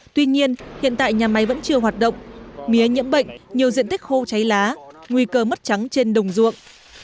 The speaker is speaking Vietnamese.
tuy nhiên hiện tại nhà máy vẫn chưa hoạt động mía nhiễm bệnh nhiều diện tích khô cháy lá nguy cơ mất trắng trên đồng ruộng